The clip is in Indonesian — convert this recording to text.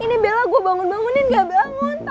ini bella gue bangun bangunin gak bangun tanggung jawab